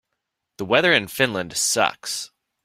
The weather in Finland sucks.